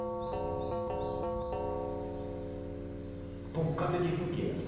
牧歌的風景やろ。